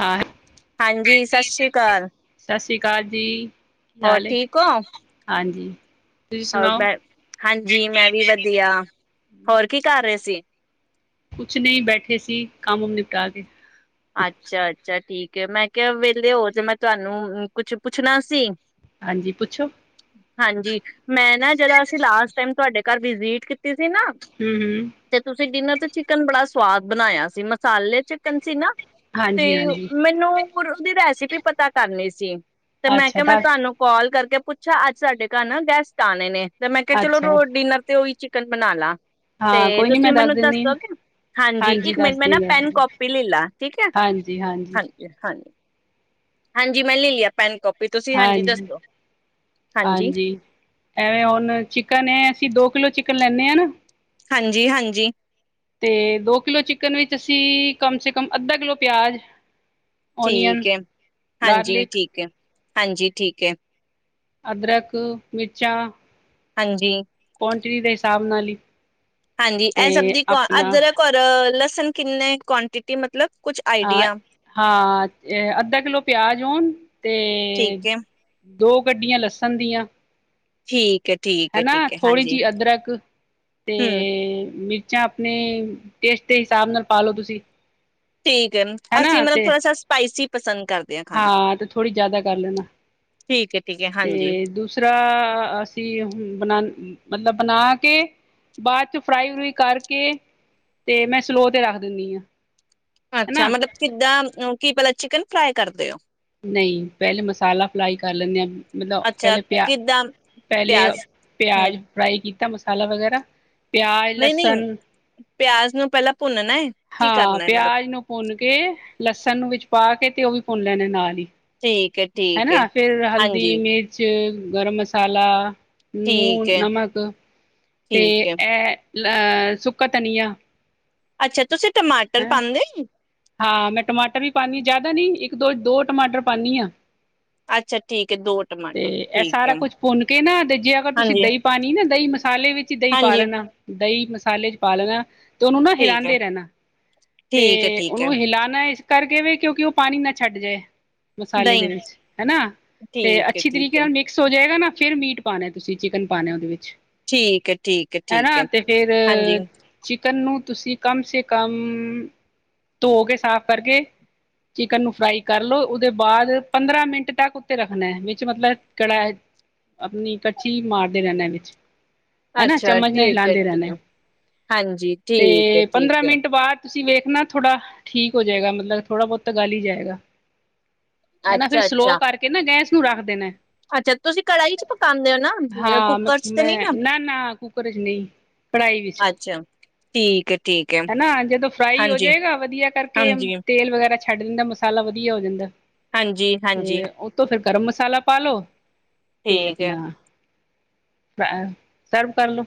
ਹਾਂ ਹਾਂਜੀ, ਸ੍ਰੀ ਸਤਿ ਅਕਾਲ। ਸ੍ਰੀ ਅਕਾਲ ਜੀ ਕੀ ਹੋਰ ਹਾਲ ਠੀਕ ਹੋ? ਹਾਂਜੀ। ਤੁਸੀਂ ਹੋਰ ਸੁਣਾਓ ਮੈਂ ਹਾਂਜੀ ਮੈਂ ਵੀ ਵਧੀਆ, ਹੋਰ ਕੀ ਕਰ ਰਹੇ ਸੀ? ਕੁਛ ਨਹੀਂ ਬੈਠੇ ਸੀ ਕੰਮ ਨਿਪਟਾ ਕੇ। ਅੱਛਾ ਅੱਛਾ। ਠੀਕ ਮੈਂ ਕਿਹਾ ਵਿਹਲੇ ਹੋਵੋ ਤੇ ਮੈਂ ਤੁਹਾਨੂੰ ਕੁਛ ਪੁੱਛਣਾ ਸੀ। ਹਾਂਜੀ ਪੁੱਛੋ। ਹਾਂਜੀ ਮੈਂ ਨਾ ਜਦੋ ਅਸੀਂ ਲਾਸਟ ਟਾਈਮ ਤੁਹਾਡੇ ਘਰ ਵਿਜ਼ਿਟ ਕੀ ਸੀ ਨਾ ਹੂੰ ਹੂੰ ਤੇ ਤੁਸੀਂ ਡਿਨਰ ਤੇ ਚਿਕਨ ਬੜਾ ਸਵਾਦ ਬਣਾਇਆ ਸੀ ਮਸਾਲੇ ਚਿਕਨ ਸੀ ਨਾ ਤੇ ਹਾਂਜੀ ਹਾਂਜੀ ਮੈਨੂੰ ਹੁਣ ਉਸਦੀ ਰੈਸਿਪੀ ਵੀ ਪਤਾ ਕਰਨੀ ਸੀ ਤੇ ਮੈਂ ਅੱਛਾ ਕਿਹਾ ਮੈਂ ਦੱਸ ਤੁਹਾਨੂੰ ਕਾਲ ਕਰਕੇ, ਪੁੱਛਾ ਅੱਜ ਸਾਡੇ ਘਰ ਨਾ ਗੈਸਟ ਆਣੇ ਨੇ, ਤੇ ਮੈਂ ਕਿਹਾ ਚਲੋ ਅੱਛਾ ਰੋਟੀ ਨਾਲ ਤੇ ੳਹੀ ਚਿਕ ਚਿਕਨ ਬਣਾ ਲਾ। ਹਾਂ ਤੇ ਕੋਈ ਨੀ ਮੈਂ ਤੁਸੀਂ ਦੱਸ ਮੈਨੂੰ ਦਿੰਦੀ ਹਾਂ ਦੱਸੋਗੇ, ਹਾਂਜੀ ਇੱਕ ਮਿੰਟ ਮੈਂ ਨਾ ਪੈਨ ਕਾਪੀ ਲੈਲਾ, ਹਾਂਜੀ-ਹਾਂਜੀ, ਹਾਂਜੀ, ਹਾਂਜੀ ਮੈਂ ਲੈ ਲਿਆ ਪੈਨ ਕਾ ਹਾਂਜੀ ਹਾਂਜੀ-ਹਾਂਜੀ ਐਵੇਂ ਹੁਣ ਚਿਕਨ ਐ। ਅਸੀਂ ਦੋ ਕਿਲੋ ਚਿਕਨ ਲੈਂਨੇ ਹਾਂ ਨਾ, ਹਾਂਜੀ-ਹਾਂਜੀ, ਤੇ ਦੋ ਕਿਲੋ ਚਿਕਨ ਵਿੱਚ ਅਸੀਂ ਕਮ ਸੇ ਕਮ ਅੱਧਾ ਕਿਲੋ ਪਿਆਜ਼, ਓਨੀਅਨ ਠੀਕ ਹੈ ਹਾਂਜੀ ਗਾਰਲਿਕ ਠੀਕ ਹੈ। ਹਾਂਜੀ, ਠੀਕ ਹੈ। ਅਦਰਕ, ਮਿਰਚਾਂ ਹਾਂਜੀ, ਕੁਆਂਟਿਟੀ ਦੇ ਹਿਸਾਬ ਨਾਲ ਹੀ, ਹਾਂਜੀ, ਤੇ ਇਹ ਸਭ ਦੀ ਕੋ ਆਪਣਾ ਅਦਰਕ, ਔਰ ਲੱਸ ਹੁਣ ਕਿੰਨੇ ਕੁਆਂਟਿਟੀ ਮਤਲਬ, ਕੁਛ ਆਈਡੀਆ ਹਾਂ-ਹਾਂ ਜੇ ਅੱਧਾ ਕਿੱਲੋ, ਪਿਆਜ ਹੋਣ, ਠੀਕ ਤੇ, ਹੈ ਦੋ ਗੱਢੀਆਂ ਲੱਸਣ ਦੀਆਂ, ਠੀਕ, ਹੈ ਠੀਕ ਹੈ ਹੈਨਾ ਠੀਕ ਹੈ ਥੋੜ੍ਹੀ ਹਾਂਜੀ ਜਿਹੀ ਅਦਰਕ ਤੇ ਹਮ ਮਿਰ ਆਪਣੇ ਟੇਸਟ ਦੇ ਹਿਸਾਬ ਨਾਲ ਪਾਲੋ ਤੁਸੀਂ, ਠੀਕ ਏ ਹਨਾ ਅਸੀਂ ਮਤਲਬ ਤੇ ਥੋੜਾ ਸਾ ਸਪਾਈਸੀ, ਪਸੰ ਹਾਂ ਤੇ ਥੋੜ੍ਹੀ ਜਿਆਦਾ ਕਰ ਲੈਣਾ ਠੀਕ ਹੈ ਠੀਕ ਹੈ ਤੇ ਹਾਂਜੀ ਦੂਸਰਾ ਅਸੀਂ ਬਣਾ ਮਤਲਬ ਬਣਾ ਕੇ ਬਾਅਦ ਚ ਫਰਾਈ ਫਰੂਈ ਕਰਕੇ ਤੇ ਮੈਂ ਸਲੋਅ ਤੇ ਰੱਖ ਦਿੰਨੀ ਹਾਂ। ਅੱਛਾ ਹਨਾ ਮਤਲਬ ਕਿੱਦਾਂ ਕੀ ਪਲਾ, ਚਿਕਨ ਫਰਾਈ ਕਰਦੇ ਹੋ। ਨਹੀਂ ਪਹਿਲੇ ਮਸਾਲਾ ਫਰਾਈ ਕਰ ਲੈਂਦੇ ਆ, ਮਤਲਬ ਅੱਛਾ ਪਹਿਲੇ ਪਿਆ ਕਿੱਦਾਂ ਪਹਿਲੇ ਪਿਆਜ਼ ਹੂੰ ਪਿਆਜ ਫਰਾਈ ਕੀ ਮਸਾਲਾ ਵਗੈਰਾ, ਪਿਆਜ਼, ਨਹੀਂ-ਨਹੀਂ ਲਸਨ, ਪਿਆਜ਼ ਨੂੰ ਪਹਿਲਾਂ ਭੁੰਨਨਾ ਹੈ ਕੀ ਹਾਂ ਕਰਨਾ ਹੈ ਮਤਲਬ ਪਿਆਜ ਨੂੰ ਭੁੰਨ ਕੇ, ਲਸਣ ਨੂੰ ਵਿੱਚ ਪਾ ਕੇ ਤੇ ਉਹ ਵੀ ਭੁੰਨ ਲੈਨੇ ਨਾਲ ਈ ਠੀਕ ਹੈ ਠੀਕ ਹੈ। ਹੈਨਾ ਫੇਰ ਹਲਦੀ ਹਾਂਜੀ ਮਿਰਚ ਗਰਮ ਮਸਾਲਾ ਠੀਕ ਲੂਣ ਹੈ ਨਮਕ ਤੇ ਠੀਕ ਹੈ ਐਹ ਲ ਸੁੱਕਾ ਧਨਿਯਾ ਅੱਛਾ ਤੁਸੀਂ ਟਮਾਟਰ ਪਾਂਦੇ ਯੇ? ਹਾਂ ਮੈਂ ਟਮਾਟਰ ਵੀ ਪਾਨੀ ਆਂ, ਜ਼ਿਆਦਾ ਨੀ ਇੱਕ ਦੋ-ਦੋ ਟਮਾਟਰ ਪਾਨੀ ਆਂ। ਅੱਛਾ ਠੀਕ ਹੈ ਦੋ ਤੇ ਟਮਾਟਰ ਐਹ ਠੀਕ ਹੈ ਸਾਰਾ ਕੁਛ ਭੁੰਨ ਕੇ ਨਾ, ਤੇ ਜੇ ਅਗਰ ਤੁਸੀਂ ਹਾਂਜੀ ਦਹੀਂ ਪਾਣੀ ਨਾ ਦਹੀਂ ਮਸਾਲੇ ਵਿੱਚ ਹੀ ਦਹੀਂ ਪਾ ਹਾਂਜੀ ਲੈਣਾ। ਦਹੀਂ ਮਸਾਲੇ ਚ ਪਾ ਲੈਣਾ। ਤੇ ਉਹਨੂੰ ਨਾ ਠੀਕ ਹੈ ਹਿਲਾਂਦੇ ਰਹਿਣਾ। ਠੀਕ ਹੈ ਤੇ ਠੀਕ ਹੈ ਉਹਨੂੰ ਹਿਲਾਣਾ ਐ ਇਸ ਕਰਕੇ ਵੇ, ਕਿਉਂਕਿ ਉਹ ਪਾਣੀ ਨਾ ਛੱਡ ਜੇ। ਮਸਾਲੇ ਦੇ ਦਹੀਂ ਵਿੱਚ, ਹਨਾ। ਤੇ ਠੀਕ ਹੈ ਅੱਛੀ ਠੀਕ ਤਰੀਕੇ ਹੈ ਨਾਲ ਮਿਕਸ ਹੋ ਜਏਗਾ ਨਾ ਫੇਰ ਮੀਟ ਪਾਣਾ ਐ ਤੁਸੀਂ, ਚਿਕਨ ਪਾਣਾ ਉਹਦੇ ਵਿੱਚ। ਠੀਕ ਐ ਠੀਕ ਐ ਠੀਕ ਐ, ਹਾਂਜੀ। ਕਨ‌ ਨੂੰ ਤੁਸੀਂ ਕਮ ਸੇ ਕਮ, ਧੋ ਕੇ ਸਾਫ਼ ਕਰਕੇ ਚਿਕਨ ਨੂੰ ਫਰਾਈ ਕਰ ਲਓ, ਉਹਦੇ ਬਾਅਦ ਪੰਦਰਾਂ ਮਿੰਟ ਤੱਕ ਉੱਤੇ ਰੱਖਣਾ ਐ। ਵਿੱਚ ਮਤਲਬ ਕੜਾ ਆਪਣੀ ਕੜਛੀ ਮਾਰਦੇ ਰਹਿੰਣਾ ਐ ਵਿੱਚ। ਹਨਾ ਅੱਛਾ ਚਮਚ ਨਾਲ ਠੀਕ ਐ ਹਿਲਾਂਦੇ ਠੀਕ ਰਹਿਣਾ ਆ, ਹਾਂਜੀ ਠੀਕ ਐ ਤੇ ਪੰਦਰਾਂ ਠੀਕ ਐ। ਮਿੰਟ ਬਾਅਦ ਤੁਸੀਂ ਵੇਖਣਾ ਥੋੜਾ ਠੀਕ ਹੋ ਜੇਗਾ, ਮਤਲਬ ਥੋੜਾ ਬਹੁਤ ਤਾ ਗਲ ਈ ਜਾਏਗਾ। ਹੈਨਾ, ਫਿਰ ਅੱਛਾ ਸਲੋਅ ਅੱਛਾ ਕਰਕੇ ਨਾ ਗੈਂਸ ਨੂੰ ਰੱਖਦੇ ਦੇਨਾ ਐ। ਅੱਛਾ ਤੁਸੀਂ ਕੜਾਹੀ ਚ ਪਕਾਂਦੇ ਓ ਨਾ, ਹਾਂ ਕੁੱਕਰ ਚ ਤੇ ਮੈਂ ਨੀ ਨਾ। ਕੁੱਕਰ ਚ ਨਹੀਂ ਕੜਾਹੀ ਵਿੱਚ ਅੱਛਾ ਠੀਕ ਐ ਠੀਕ ਐ। ਨਾ ਜਦੋਂ ਫਰਾਈ ਹੋ ਜਏਗਾ, ਵਧੀਆ ਕਰਕੇ। ਹਾਂਜੀ ਤੇਲ ਵਗੈਰ ਰਾ ਛੱਡ ਦਿੰਦਾ ਮਸਾਲਾ ਵਧੀਆ ਹੋ ਜਾਂਦੈਂ। ਹਾਂਜੀ-ਹਾਂਜੀ। ਗਰਮ ਮਸਾਲਾ ਪਾ ਲਓ ਤੇ ਹੈ ਅਪਨਾ ਬ-ਅ ਸਰਵ ਕਰਲੋ।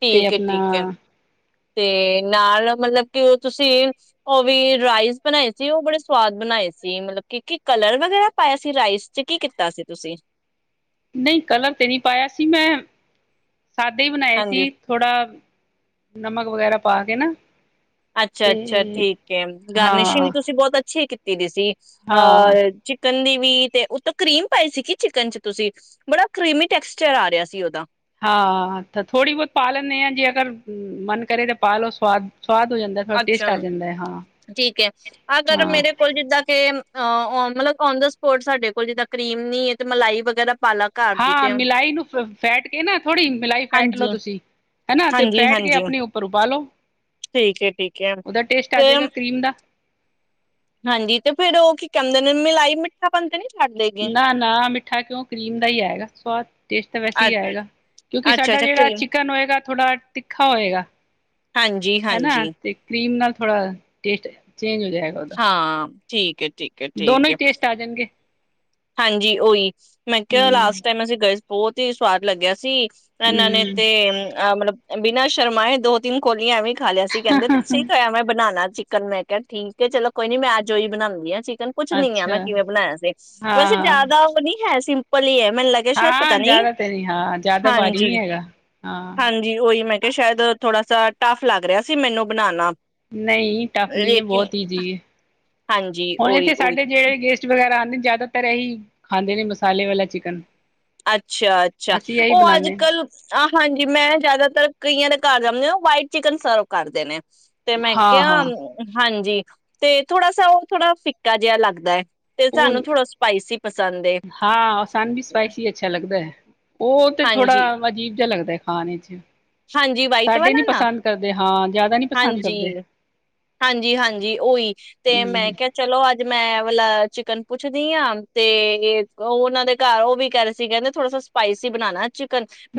ਠੀਕ ਐ ਠੀਕ ਐ। ਤੇ ਨਾਲ, ਮਤਲਬ ਕੀ ਓਹ ਤੁਸੀਂ ਉਹ ਵੀ ਰਾਈਸ ਬਣਾਏ ਸੀ, ਉਹ ਬੜੇ ਸਵਾਦ ਬਣਾਏ ਸੀ। ਮਤਲਬ ਕੀ ਕੀ ਕਲਰ ਵਗੈਰਾ ਪਾਇਆ ਸੀ ਰਾਈਸ ਚ, ਕੀ ਕੀਤਾ ਸੀ ਤੁਸੀਂ? ਨਹੀਂ ਕਲਰ ਤੇ ਨਹੀ ਪਾਇਆ ਸੀ ਮੈਂ ਸਾਦੇ ਹੀ ਬਣਾਏ ਹਾਂਜੀ ਸੀ ਥੋੜ੍ਹਾ ਨਮਕ ਵਗੈਰਾ ਪਾ ਕੇ ਨਾ ਅੱਛਾ ਤੇ ਅੱਛਾ ਠੀਕ ਹੈ ਗਾਰਨਿਸ਼ਿੰਗ ਹਾਂ ਤੁਸੀਂ ਬਹੁਤ ਅੱਛੀ ਕੀਤੀ ਦੇ ਸੀ ਹਾਂ [unintelligible] ਚਿਕਨ ਦੀ ਵੀ ਤੇ ਉਤੋਂ ਕਰੀਮ ਪਾਈ ਸੀਗੀ ਚਿਕਨ ਚ ਤੁਸੀਂ ਬੜਾ ਕਰੀਮੀ ਟੈਕਸਚਰ ਆ ਰਿਹਾ ਸੀ ਓਦਾ ਹਾਂ ਤੇ ਥੋੜ੍ਹੀ ਬਹੁਤ ਪਾ ਲੈਂਦੇ ਹਾਂ ਜੇ ਅਗਰ ਮਨ ਕਰੇ ਤਾਂ ਪਾ ਲੋ ਸਵਾਦ ਸਵਾਦ ਹੋ ਜਾਂਦਾ ਥੋੜਾ ਟੇਸਟ ਅੱਛਾ ਆ ਜਾਂਦਾ ਹੈ। ਹਾਂ ਠੀਕ ਹੈ ਅਗਰ ਹਾਂ ਮੇਰੇ ਕੋਲ ਜਿੱਦਾਂ ਕੇ ਅ ਮਤਲਬ ਓਨ ਦਾ ਸਪੋਟ ਸਾਡੇ ਕੋਲ ਜਿੱਦਾਂ ਕਰੀਮ ਨੀ ਤੇ ਮਲਾਈ ਵਗੈਰਾ ਪਾਲਾ ਘਰ ਦੀ ਹਾਂ ਤੇ ਮਿਲਾਈ ਨੂੰ ਫ ਫੈਟ ਕੇ ਨਾ ਥੋੜ੍ਹੀ ਮਿਲਾਈ ਫੈਟ ਲਓ ਹਾਂਜੀ ਤੁਸੀਂ ਹਨਾ ਤੇ ਹਾਂਜੀ ਫੈਟ ਕੇ ਹਾਂਜੀ ਆਪਣੇ ਉੱਪਰ ਉਬਾਲੋ ਠੀਕ ਹੈ ਠੀਕ ਹੈ ਉਹਦਾ ਟੇਸਟ ਆ ਤੇ ਜਾਏਗਾ ਕਰੀਮ ਦਾ ਹਾਂਜੀ ਤੇ ਫੇਰ ਉਹ ਕੀ ਕਹਿੰਦੇ ਨੇ ਮਿਲਾਈ ਮਿੱਠਾਪਨ ਤਾ ਨੀ ਛੱਡ ਦੇਗੀ ਨਾ ਨਾ ਮਿੱਠਾ ਕਿਉਂ ਕਰੀਮ ਦਾ ਹੀ ਆਏਗਾ ਸਵਾਦ ਟੇਸਟ ਤਾਂ ਵੈਸੇ ਅੱ ਹੀ ਆਏਗਾ ਅੱਛਾ ਕਿਉਂਕਿਡਾ ਅੱਛਾ ਜਿਹੜਾ ਕਰੀਮ ਚਿਕਨ ਥੋੜਾ ਤਿੱਖਾ ਹੋਏਗਾ ਹਾਂਜੀ ਹਨਾ ਹਾਂਜੀ ਤੇ ਕਰੀਮ ਨਾਲ ਥੋੜਾ ਟੇਸਟ ਹੈ ਚੇਂਜ ਹੋ ਜਾਏਗਾ ਉਹਦਾ ਹਾਂ ਠੀਕ ਠੀਕ ਹੈ ਦੋਨੋ ਠੀਕ ਹੈ ਹੀ ਟੇਸਟ ਆ ਜਾਣਗੇ ਹਾਂਜੀ ਉਹੀ ਮੈਂ ਕਿਹਾ ਲਾਸਟ ਹੂੰ-ਹੂੰ ਟਾਈਮ ਅਸੀਂ ਗਏ ਬਹੁਤ ਹੀ ਸਵਾਦ ਲੱਗਿਆ ਸੀ ਇਹਨਾਂ ਨੇ ਤੇ ਅ ਮਤਲਬ ਬਿਨਾ ਸ਼ਰਮਾਏ ਦੋ ਤਿੰਨ ਕੋੋਲੀਆਂਂ ਖਾ ਲਿਆ ਸੀ ਕਹਿੰਦੇ ਤੁਸੀਂ ਖਾਇਆ ਮੈਂ ਬਣਾਉਣਾ ਚਿਕਨ ਮੈਂ ਕਿਹਾ ਠੀਕ ਹੈ ਚਲੋ ਕੋਈ ਨੀ ਮੈਂ ਅੱਜ ਓਹੀ ਬਣਾਉਂਦੀ ਹਾਂ ਚਿਕਨ ਕੁਛ ਨਹੀਂ ਮੈਂ ਅੱਛਾ ਕਿਵੇਂ ਬਣਾਇਆ ਸੀ ਵੈਸੇ ਜਿਆਦਾ ਉਹ ਨਹੀਂ ਹੈ ਸਿਮ ਪਲੀ ਹੈ ਮੈਨੂੰ ਲੱਗਿਆ ਸ਼ਾਇਦ ਪਤਾ ਹਾਂ ਨੀ ਜ਼ਿਆਦਾ ਤੇ ਨਹੀਂ ਹਾਂ ਜ਼ਿਆਦਾ ਵਾਰੀ ਹਾਂਜੀ ਨਹੀਂ ਹੈਗਾ ਹਾਂ ਕਿ ਸ਼ਾਇਦ ਥੋੜਾ ਸਾਟੱਫ ਲੱਗ ਰਿਹਾ ਸੀ ਮੈਨੂੰ ਬਣਾਉਣਾ ਨਹੀਂ ਟਫ ਨਹੀਂ ਹੈ ਲੇਕਿਨ ਬਹੁਤ ਈਜ਼ੀ ਹੈ ਹਾਂਜੀ ਹੁਣ ਉਹੀ ਇਥੇ ਸਾਡੇ ਉਹੀ ਜਿਹੜੇ ਗੇਸਟ ਵਗੈਰਾ ਆਂਦੇ ਜ਼ਿਆਦਾਤਰ ਇਹੀ ਖਾਂਦੇ ਨੇ ਮਸਾਲੇ ਵਾਲਾ ਚਿਕਨ ਅੱਛਾ ਅੱਛਾ ਅਸੀਂ ਇਹੀ ਉਹ ਅੱਜ ਬਣਾਨੇ ਕੱਲ ਆ ਹਾਂਜੀ ਮੈਂ ਜ਼ਿਆਦਾਤਰ ਕਈਆਂ ਦਾ ਘਰ ਜਾਂਦੇ ਹੋ ਵਾਈਟ ਚਿਕਨ ਸਰਵ ਕਰਦੇ ਨੇ ਤੇ ਮੈਂ ਕਿਹਾ ਹਾਂ-ਹਾਂ ਹਾਂਜੀ ਤੇ ਥੋੜਾ ਸ ਉਹ ਥੋੜਾ ਫਿੱਕਾ ਜਿਹਾ ਲੱਗਦਾ ਹੈ ਤੇ ਉਹ ਸਾਨੂੰ ਥੋੜਾ ਸਪਾਈਸੀ ਪਸੰਦ ਹਾਂ ਔਸਾਨ ਵੀ ਸਪਾਈਸੀ ਅੱਛਾ ਲੱਗਦਾ ਹੈ ਉਹ ਤੇ ਥੋੜਾ ਹਾਂਜੀ-ਹਾਂਜੀ ਅਜੀਬ ਜਿਹਾ ਲੱਗਦਾ ਹੈ ਖਾਣੇ 'ਲਈ ਚ ਵਾਈਟ ਸਾਡੇ ਨੀ ਵਾਲਾ ਨਾ ਪਸੰਦ ਕਰਦੇ ਹਾਂ ਜ਼ਿਆਦਾ ਨੀ ਪਸੰਦ ਹਾਂਜੀ ਕਰਦੇ ਹਾਂਜੀ ਹਾਂਜੀ ਓਹੀ ਤੇ ਮੈਂ ਹਮ। ਕਿਹਾ ਚਲੋ ਅੱਜ ਮੈਂ ਆਹ ਵਾਲਾ ਚਿਕਨ ਪੁੱਛਦੀ ਹਾਂ ਤੇ ਉਹ ਉਹਨਾਂ ਦੇ ਘਰ ਉਹ ਵੀ ਕਹਿ ਰਹੇ ਸੀ ਕਹਿੰਦੇ ਥੋੜਾ ਸ ਸਪਾਈਸੀ ਬਣਾਣਾ ਚ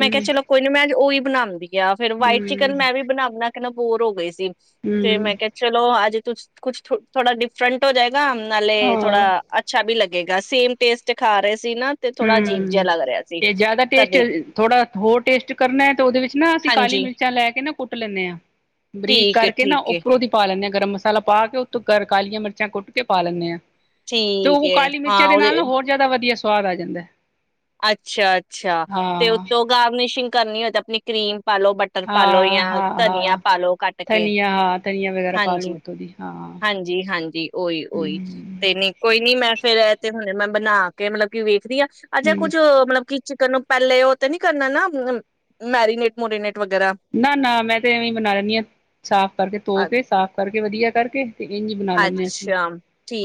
ਮੈਂ ਕਿਹਾ ਚਲੋ ਕੋਈ ਨੀ ਮੈਂ ਉਹੀ ਬਣਾਂਦੀ ਜਾਂ ਫਿਰ ਵਾਈਟ ਚਿਕਨ ਹਮ ਮੈਂ ਵੀ ਬਣਾਉਦਾ ਬੋਰ ਹੋ ਗਏ ਸੀ ਤੇ ਹਮ ਮੈਂ ਕਿਹਾ ਚਲੋ ਅੱਜ ਕੁਛਥੋੜਾ ਡਿਫਰੈਂਟ ਹੋ ਜਾਏਗਾ ਨਾਲੇ ਹਾਂ ਥੋੜਾ ਅੱਛਾ ਵੀ ਲ ਹੇਗਾ ਸੇਮ ਟੇਸਟ ਖਾ ਰਹੇ ਸੀ ਨਾ ਤੇ ਥੋੜਾ ਅਜੀਬ ਜਿਹਾ ਹਮ ਲੱਗ ਰਿਹਾ ਸੀ। ਤੇ ਜ਼ਿਆਦਾ ਟੇਸਟ ਤਦੇ ਥੋੜਾ ਹੋਰ ਟੇਸਟ ਕਰਨਾ ਹੈ ਤੇ ਉਹਦੇ ਵਿੱਚ ਨਾ ਅਸੀਂ ਕਾਲੀ ਹਾਂਜੀ ਮਿਰਚਾਂ ਲੈ ਕੇ ਨਾ ਕੁੱਟ ਲੈਂਦੇ ਆਂ ਬਰੀਕ ਠੀਕ ਕਰਕੇ ਨਾ ਏ-ਠੀਕ ਉੱਪਰੋਂ ਦੀ ਪਾ ਲੈਂਦੇ ਹਾਂ ਗਰਮ ਮਸਾਲਾ ਪਾ ਕੇ ਉੱਤੋਂ ਕਰ ਕਾਲੀਆਂ ਮਿਰਚਾਂ ਕੁੱਟ ਕੇ ਪਾ ਲੈਂਦੇ ਹਾਂ ਤੇ ਏ-ਠੀਕ ਉਹ ਏ ਕਾਲੀ ਹਾਂ ਮਿਰਚਾਂ ਦੇ ਨਾਲ ਨਾ ਹੋਰ ਜ਼ਿਆਦਾ ਵਧੀਆ [unintelligible] ਜਾਂਦਾ ਹੈ ਅੱਛਾ ਅੱਛਾ ਤੇ ਉੱਤੋਂ ਗਾਰਨੀਸ਼ਿੰਗ ਕਰਨੀ ਹੋਏ ਤਾਂ ਆਪਣੀ ਕਰੀਮ ਪਾਲੋ ਬਟਰ ਪਾਾਲੋ ਹਾਂ ਜਾਂ ਹਾਂ ਧਨੀਆ ਹਾਂ ਪਾਾਲੋ ਕੱਟ ਕੇ ਧਨੀਆ ਹਾਂ ਧਨੀਆ ਵਗੈਰਾ ਪਾ ਲੋ ਹਾਂਜੀ ਉੱਤੋਂ ਦੀ ਹਾਂ ਹਾਂਜੀ ਹਾਂਜੀ ਓਹੀ ਓਹੀ ਹੂੰ ਤੇ ਨਹੀਂ ਕੋਈ ਨੀ ਮੈਂ ਫੇਰ ਤੇ ਹੁਣ ਮੈਂ ਬਣਾ ਕੇ ਮਤਲਬ ਕਿ ਵੇਖਦੀ ਆ ਅੱਛਾ ਹੂੰ ਕੁੱਛ ਮਤਲਬ ਕਿ ਚਿਕਨ ਨੂੰ ਪਹਿਲੇ ਉਹ ਤੇ ਨੀ ਕਰਨਾ ਨਾ ਮੈਰੀਨੇਟ ਮੁਰੀਨੇਟ ਨਾ ਨਾ ਮੈਂ ਤੇ ਇਵੇਂ ਬਣਾ ਲੈਂਦੀ ਹਾਂ ਸਾਫ਼ ਕਰਕੇ ਧੋ ਕੇ ਸਾਫ਼ ਕਰਕੇ ਵਧੀਆ ਕਰਕੇ ਤੇ ਇੰਝ ਬਣਾ ਲੈਂਦੇ ਹਾਂ ਅਸੀਂ ਅੱਛਾ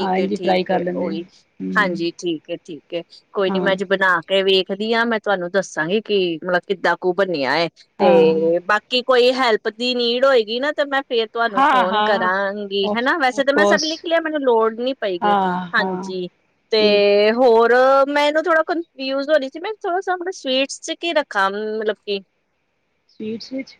ਹਾਂ ਇੰਝ ਫਰਾਈ ਕਰ ਠੀਕ ਲੈਂਦੇ ਹਾਂ ਉਹੀ ਹੂੰ ਹਾਂਜੀ ਠੀਕ ਹੈ ਠੀਕ ਕੋਈ ਨੀ ਮੈਂ ਹਾਂ ਅੱਜ ਬਣਾ ਕੇ ਵੇਖਦੀ ਹ ਮੈਂ ਤੁਹਾਨੂੰ ਦੱਸ ਦੱਸਾਂਗੀ ਕਿ ਮਤਲਬ ਕਿੱਦਾਂ ਕੁੂ ਬਣਿਆ ਏ ਹਾਂ ਤੇ ਬਾਕੀ ਕੋਈ ਹੈਲਪ ਦੀ ਨੀਡ ਹੋਏਗੀ ਨਾ ਤੇ ਮੈਂ ਫੇਰ ਤੁਹਾਨੂੰ ਹਾਂ ਫੋਨ ਹਾਂ ਕਰਾਂਗੀ ਹਨਾ ਵੈਸੇ ਮੈਂ ਸਭ ਅਫਕੋਰਸ ਲਿਖ ਲਿਆ ਮੈਨੂੰ ਲੋੜ ਨੀ ਪਏਗੀ ਹਾਂ ਹਾਂ ਹਾਂਜੀ ਤੇ ਠੀਕ ਹੈ ਹੋਰ ਹੋਰ ਮੈਨੂੰ ਥੋੜਾ ਕਨਫਿਊਜ ਹੋਣੀ ਸੀ ਮੈਂ ਥੋੜਾ ਮਤਬ ਸਵੀਟਸ ਚ ਕੀ ਰੱਖਾ ਮਤਲਬ ਕਿ ਸਵੀਟਸ ਵਿੱਚ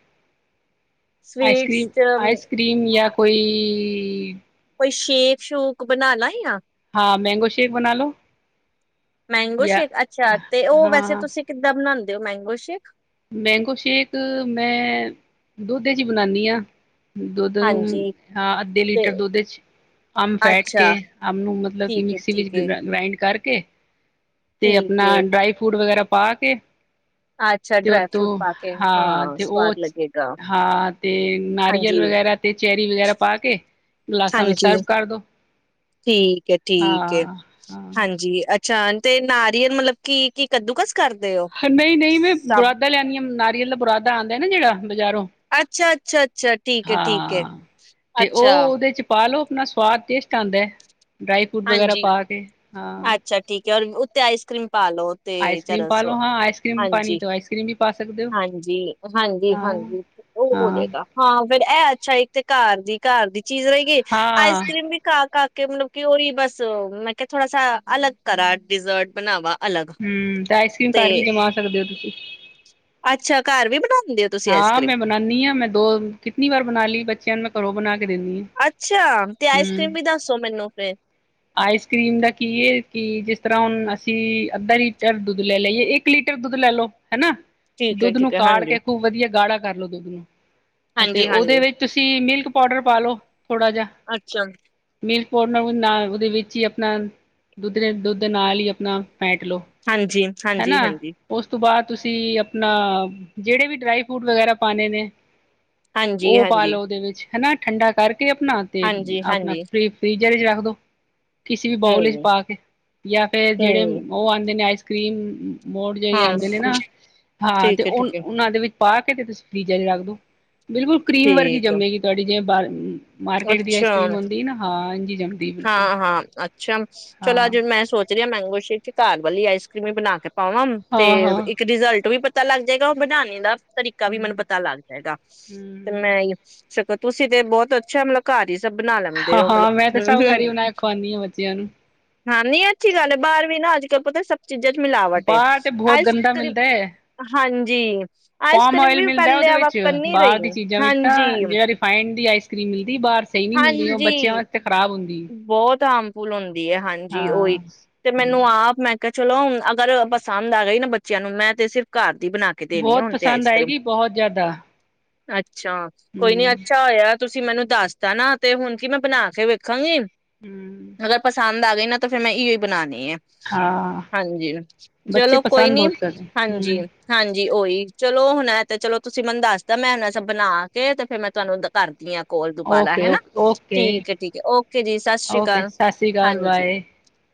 ਆਈਸ ਸਵੀਟਸ ਕਰ੍ਰੀਮ ਚ ਅਮ, ਆਈਸ ਕਰ੍ਰੀਮ ਯਾਂ ਕੋਈ [unintelligible] ਕੋਈ ਸ਼ੇਕ ਸ਼ੂਕ ਬਣਾ ਲਾ ਯਾ ਹਾਂ ਮੈਂਗੋ ਸ਼ੇਕ ਬਣਾ ਲੋ ਮੈਂਗੋ ਜਾਂ ਸ਼ੇਕ ਅੱਛਾ ਤੇ ਉਹ ਵੈਸੇ ਹਾਂ ਤੁਸੀਂ ਕਿੱਦਾਂ ਬਣਾਉਦੇ ਮੈਂਗੋ ਸ਼ੇਕ ਮੈਂਗੋ ਸ਼ੇਕ ਮੈਂ ਦੁੱਧ ਚ ਹੀ ਬਣਾਉਦੀ ਹਾਂ ਦੁੱਧ ਨੂੰ ਹਾਂਜੀ। ਹਾਂ ਅੱਧੇ ਤੇ ਲੀਟਰ ਦੁੱਧ ਚ ਅੰਬ ਫੈਟ ਕੇ ਅੱਛਾ ਅੰਬ ਨੂੰ ਮਤਲਬ ਕਿ ਠੀਕ ਹੈ, ਮਿਕਸੀ ਵਿੱਚ ਠੀਕ ਹੈ, ਗ੍ਰਾਇੰਡ ਕਰਕੇ ਕੇ ਤੇ ਠੀਕ ਆਪਣਾ ਹੈ। ਡਰਾਈ ਫਰੂਟ ਵਗੈਰਾ ਪਾ ਕੇ ਅੱਛਾ ਤੇ ਡਰਾਈ ਫਰੂਟ ਉਤੋਂ ਪਾ ਕੇ ਹਾਂ ਤੇ ਉਹ ਸਵਾਦ ਲੱਗੇਗਾ ਹਾਂ ਤੇ ਨਾਰੀਅਲ ਹਾਂਜੀ। ਵਗੈਰਾ ਤੇ ਚੈਰੀ ਵਗੈਰਾ ਪਾ ਕੇ ਗਲਾਸਾਂ ਵਿੱਚ ਹਾਂਜੀ ਸਰਵ ਕਰ ਦੋ ਠੀਕ ਹੈ ਠੀਕ ਹੈ ਹਾਂ ਹਾਂ ਹਾਂਜੀ ਅ ਅੱਛਾ ਤੇ ਨਾਰੀਅਲ ਮਤਲਬ ਕੀ ਕੱਦੂਕਸ ਕਰਦੇ ਹੋ? ਨਹੀਂ ਨਹੀਂ ਮੈਂ ਸਭ। ਬੁਰਾਦਾ ਲਿਆਦੀ ਹਾਂ ਨਾ ਬਰਾਦਾ ਆਉਂਦਾ ਹੈ ਨਾ ਜਿਹੜਾ ਬਜ਼ਾਰੋਂ ਅੱਛਾ ਅੱਛਾ ਅੱਛਾ ਠੀਕ ਹੈ, ਠੀਕ ਹੈ ਹਾਂ ਤੇ ਉਹ ਅੱਛਾ ਉਹਦੇ ਚ ਪਾ ਲੋ ਆਪਣਾ ਸਵਾਦ ਟੇਸਟ ਆਉਂਦਾ ਹੈ ਡਰਾਈ ਫਰੂਟ ਵਗੈਰਾ ਹਾਂਜੀ। ਪਾ ਕੇ ਹਾਂ ਤੇ ਆਈਸ ਕਰ੍ਰੀਮ ਪਾਲੋ ਤੇ ਆਈਸ ਕਰ੍ਰੀਮ ਜਰਾ ਪਾ ਸ ਲੋ ਹਾਂ ਆਈਸ ਕਰ੍ਰੀਮ ਪਾਣੀ ਹਾਂਜੀ ਤਾਂ ਆਈਸ ਕਰ੍ਰੀਮ ਵੀ ਪਾ ਸਕਦੇ ਹੋ ਹਾਂਜੀ ਹਾਂਜੀ ਹਾਂ ਹਾਂਜੀ ਉਹ ਹੋ ਹਾਂ ਜਾਏਗਾ ਹਾਂ ਫਿਰ ਇਹ ਅੱਛਾ ਇੱਕ ਤੇ ਘਰ ਦੀ ਘਰ ਦੀ ਚੀਜ਼ ਰਹੀਗੀ ਹਾਂ ਆਈਸ ਕਰ੍ਰੀਮ ਵੀ ਖਾ -ਖਾ ਕੇ ਕਿਨੂੰ ਕਿਓ ਹੀ ਬਸ, ਮੈਂ ਕਿਹਾ ਥੋੜਾ ਸ ਅਲੱਗ ਕਰਾ। ਡਿਜ਼ਰਟ ਬਣਾਵਾ। ਅਲੱਗ [unintelligible] ਤੇ ਘਰ ਵੀ ਜਮਾ ਸਕਦੇ ਹੋ ਤੁਸੀਂ ਅੱਛਾ ਘਰ ਵੀ ਬਣਾਉ ਹਾਂ, ਮੈਂ ਬਣਾਉਾਨੀ ਹਾਂ ਮੈਂ ਦੋ ਕਿਤਨੀ ਵਾਰ ਬਣਾ ਲਈ ਬੱਚਿਆਂ ਨੂੰ ਮੈਂ ਘਰੋ ਬਣਾ ਕੇ ਦਿੰਦੀ ਅੱਛਾ, ਤੇ ਹਾਂ ਆਈਸ ਕਰ੍ਰੀਮ ਹਮ ਵੀ ਦੱਸੋ ਮੈਨੂੰ ਫਿਰ ਆਈਸ ਕਰ੍ਰੀਮ ਦਾ ਕੀ ਹੈ ਕਿ ਜਿਸ ਤਰ੍ਹਾਂ ਹੁਣ ਅਸੀਂ ਅੱਧਾ ਲੀਟਰ ਦੁੱਧ ਲੈ ਲਾਈਏ ਇੱਕ ਲੀਟਰ ਦੁੱਧ ਲੈ ਲਓ। ਹਨਾ ਠੀਕ ਹੈ ਦੁੱਧ ਨੂੰ ਠੀਕ ਹੈ ਕਾਾਲ ਹਾਂਜੀ, ਕੇ ਖੂਬ ਵਧੀਆ ਗਾੜਾ ਕਰ ਲੋ ਦੁੱਧ ਨੂੰ ਅਤੇ ਹਾਂਜੀ, ਉਹਦੇ ਹਾਂਜੀ ਵਿੱਚ ਤੁਸੀਂ ਮਿਲਕ ਪਾਊਡਰ ਪਾ ਲਓ ਥੋੜਾ ਜਿਹਾ ਅੱਛਾ ਮਿਲਕ ਪਾਊਡਰ ਨਾ ਵਿੱਚ ਹੀ ਆਪਣਾ, ਦੁੱਧ, ਦੁੱਧ ਨਾਲ ਹੀ ਆਪਣਾ ਫੈਟ ਲਓ, ਹਾਂਜੀ, ਹਾਂਜੀ, ਹਨਾ। ਹਾਂਜੀ, ਉਸ ਤੋਂ ਬਾਅਦ ਤੁਸੀਂ ਆਪਣਾ ਜਿਹੜੇ ਵੀ ਡਰਾਈ ਫਰੂਟ ਵਗੈਰਾ ਪਾਣੇ ਨੇ ਹਾਂਜੀ, ਉਹ ਪਾ ਹਾਂਜੀ, ਲੋ ਉਹਦੇ ਵਿੱਚ ਹਨਾ, ਠੰਡਾ ਕਰਕੇ ਆਪਣਾ ਤੇ ਹਾਂਜੀ, ਆਪਣਾ ਹਾਂਜੀ ਫ ਫ੍ਰੀਜਰ ਵਿੱਚ ਰੱਖ ਦੋ। ਕਿਸੇ ਵੀ ਬਾਊਲ ਚ ਹੂੰ, ਪਾ ਕੇ, ਜਾਂ ਫੇਿਰ ਜਿਹੜੇ ਹੂੰ ਉਹ ਆਂ ਆਈਸ ਕੀਮ ਮੋੜ ਜਿਹੜੇ ਹਾਂ ਆਉਂਦੇ ਨੇ ਨਾ, ਹਾਂ ਤੇ ਠੀਕ ਹੈ, ਉਹ ਠੀਕ ਹੈ, ਉਹਨਾਂ ਦੇ ਵਿੱਚ ਪਾ ਕੇ ਤੇ ਬੀ ਜ਼ਾਰੀ ਰੱਖ ਦੋ। ਬਿਲਕੁਲ ਕਰੀਮ ਵਰਗੀ ਠੀਕ ਹੈ, ਜੰਮੇਗੀ ਤੁਹਾਡੀ ਜਿਵੇ ਬਾਰ ਮਾਰਕੀਟ ਦੀ ਅੱਛਾ ਆਈਸਕ੍ਰੀਮ ਆਉਂਦੀ ਨਾ, ਹਾਂ। ਹਾ ਜੰਮਦੀ ਬਿਲਕੁਲ ਹਾਂ-ਹਾਂ ਅੱਛਾ, ਚਲੋ, ਹਾਂ ਅੱਜ ਮੈਂ ਸੋਚ ਰਿਹੀ ਮੈਂਗੋ ਸ਼ੀਕ ਕਰ ਵੀ ਆਈਸਕੀਮ ਬਣ ਕੇ ਪਾਵਾਂ ਤੇ ਹਾਂ ਹਾਂ ਇੱਕ ਰਿਜਲਟ ਵੀ ਪਤਾ ਲੱਗ ਜਾਏਗਾ ਉਹ ਬਣਾਣੇ ਦਾ ਤਰੀਕਾ ਵੀ ਮੈਨੂੰ ਹਮ ਪਤਾ ਲੱਗ ਜਾਏਗਾ। ਤੇ ਹਮ ਮੈਂ ਸੋ ਤੁਸੀਂ ਤੇ ਬਹੁਤ ਸ਼ਮਲਾ ਬਣਾ ਲੈਂਦੇ ਹਾਂ ਉਹ ਮਤਲਬ, ਹਾਂ ਮੈਂ ਤੇ ਹਮ ਸਭ ਘਰ ਹੀ -ਹਮ ਬਣਾ ਕੇ ਖਵਾਉਂਦੀ ਹਾਂ ਬੱਚਿਆਂ ਨੂੰ ਹਾਂ, ਨੀ ਅੱਛੀ ਗੱਲ ਹੈ ਬਾਹਰ ਵੀ ਨਾ ਅਜ ਪਤਾ ਸ ਚੀਜ਼ਾਂ ਚ ਮਿਲਾਵਟ, ਬਾਹਰ ਤੇ ਬਹੁਤ ਆਈਸ ਗੰਦਾ ਕਰੀਮ। ਮਿਲਦਾ ਹੈ ਹਾਂਜੀ, ਆਈਸ ਪੋਮ ਕਰ੍ਰੀਮ ਓਇਲ ਵੀ ਮਿਲਦਾ ਉਹਦੇ ਪਹਿਲੇ ਵ ਵਿੱਚ ਕਰਨੀ ਬਾਹਰ ਰਹੀ। ਦੀ ਹਾਂਜੀ। ਸਕਰੀ ਦੀ ਬਾਰ ਸਹੀ ਨੀ ਮਿਲਦੀ ਉਹ ਬੱਚਿਆਂ ਵਾਸਤੇ ਖਰਾਬ, ਬਹੁਤ ਆਮ ਪੁਲਣ, ਹਾਂਜੀ, ਉਹੀ ਹਾਂ ਤੇ ਮੈਨੂੰ ਆਪ ਮੈਂ ਕਿ ਚਲੋ ਅਗਰ ਪਸੰਦ ਆ ਗਈ, ਨਾ ਬੱਚਿਆਂ ਨੂੰ ਮੈਂ ਤੇ ਸਿਰਫ ਘਰ ਦੀ ਬਣਾ ਕੇ ਦੇਣੀ ਬਹੁਤ ਹੁਣ ਤੇ ਪਸੰਦ ਆਏਗੀ ਬਹੁਤ ਜ਼ਿਆਦਾ, ਅੱਛ ਅੱਛਾ ਕੋਈ ਹਮ ਨੀ ਅੱਛਾ ਹੋਇਆ। ਤੁਸੀਂ ਮੈਨੂੰ ਦੱਸਤਾ ਨਾ ਤੇ ਹੁਣ ਕੀ ਮੈਂ ਬਣਾ ਕੇ ਵੇਖ ਵੇਖਾਗਾ। ਹਮ ਅਗਰ ਪਸੰਦ ਆ ਐਨੋ ਫਿਰ ਮੈਂ ਇਹੀ ਹੀ ਬਣਾ ਐ ਹਾਂ ਹਾਂਜੀ, ਬੱਚੇ ਚਲੋ ਕੋਈ ਪਸੰਦ ਨੀ ਬਹੁਤ ਕਰਦੇ ਹਮ ਹਾਂਜੀ-ਹਾਂਜੀ ਉਹੀ ਚਲੋ ਹੁਣ, ਤੇ ਚਲੋ ਤੁਸੀਂ ਮੈਨੂੰ ਦੱਸਦਾ ਮੈਂ ਹੁਣ ਸਭ ਬਣਾ ਕੇ ਤੇ ਫੇਰ ਮੈਂ ਤੁਹਾਨੂੰ ਕਰਦੀ ਆ। ਕੋਲ ਦੁਬਾਲਾ ਓਕੇ ਹਨਾ ਓਕੇ ਓਕੇ ਠੀਕ ਐ। ਓਕੇ ਜੀ ਸਤਿ ਸ਼੍ਰੀ ਓਕੇ ਅਕਾਲ ਸਤਿ ਸ਼੍ਰੀ ਅਕਾਲ ਹਾਂਜੀ, ਬਾਏ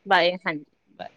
ਬਾਏ ਹਾਂਜੀ, ਬਾਏ,